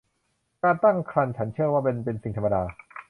การตั้งครรภ์ฉันเชื่อว่ามันเป็นสิ่งธรรมดา